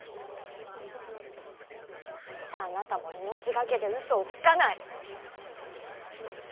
なぜあなたも命懸けで嘘をつかない。